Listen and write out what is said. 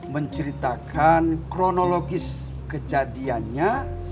menceritakan kronologis kejadiannya